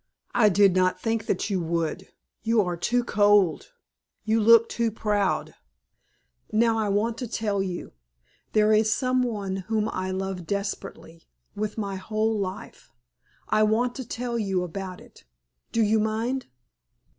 I did not think that you would, you are too cold, you look too proud. Now I want to tell you. There is some one whom I love desperately with my whole life. I want to tell you about it. Do you mind?"